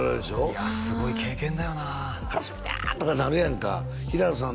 いやすごい経験だよな「佳純ちゃん！」とかなるやんか平野さん